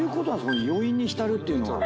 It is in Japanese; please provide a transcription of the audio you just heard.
この余韻に浸るっていうのは。